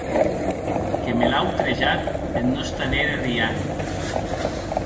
Que me l’a autrejat eth nòste nere Rihan.